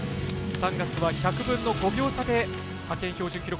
３月は１００分の５秒差で派遣標準記録